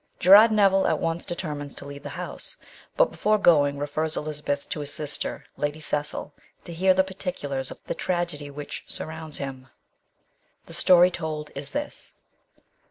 Gerard Neville at once determines to leave the house, but before going refers Elizabeth to his sister, Lady Cecil, to hear the particulars of the tragedy which surrounds him. The story told is this.